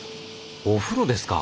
お風呂ですか？